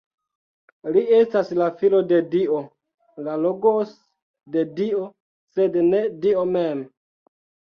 Li estas la Filo de Dio, la "Logos" de Dio, sed ne Dio mem.